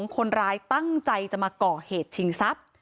คนร้ายตั้งใจจะมาก่อเหตุชิงทรัพย์